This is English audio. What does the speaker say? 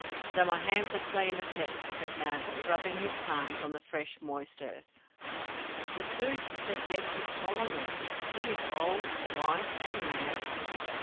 "So my hands are clean of Death," said Mowgli, rubbing his palms on the fresh, moist earth. "The Thuu said Death would follow me. He is old and white and mad."